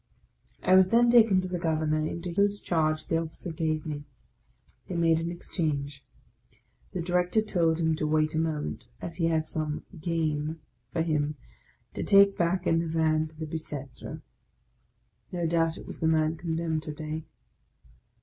I was then taken to the Governor, into whose charge the Officer gave me. They made an exchange. The Director told him to wait a moment, as he had some " game " for him to take back in the Van to the Bicetre. No doubt it was the man condemned to day.